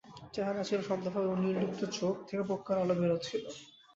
চেহারায় ছিল শান্ত ভাব এবং নির্লিপ্ত চোখ থেকে প্রজ্ঞার আলো বের হচ্ছিল।